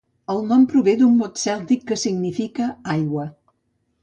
El nom prové d'un mot cèltic que significa aigua.